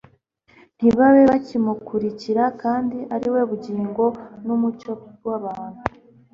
ntibabe bakimukurikira kandi ari we Bugingo n'Umucyo w'abantu.